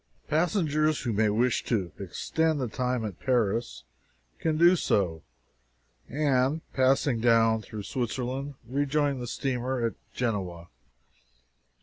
Passengers who may wish to extend the time at Paris can do so, and, passing down through Switzerland, rejoin the steamer at Genoa.